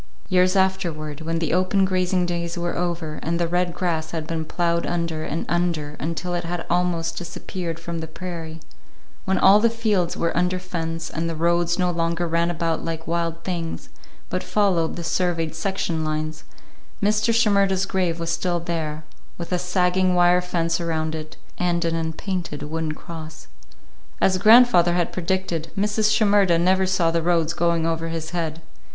Years afterward, when the open grazing days were over, and the red grass had been ploughed under and under until it had almost disappeared from the prairie; when all the fields were under fence, and the roads no longer ran about like wild things, but followed the surveyed section lines, Mr. Shimerda's grave was still there, with a sagging wire fence around it, and an unpainted wooden cross. As grandfather had predicted, Mrs. Shimerda never saw the roads going over his head.